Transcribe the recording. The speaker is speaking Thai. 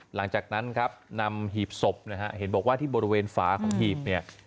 หลังจากนั้นครับนำหีบศพนะฮะเห็นบอกว่าที่บริเวณฝาของหีบเนี่ย